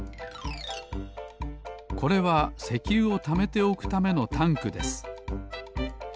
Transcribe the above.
これは石油をためておくためのタンクです。